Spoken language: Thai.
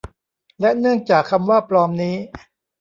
และเนื่องจากคำว่า ปลอม นี้